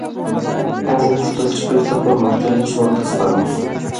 موږ غوښتل چې بیرته پرمختللي ژوند ته ستانه شو